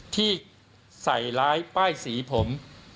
ที่ใส่ร้ายป้ายสีผม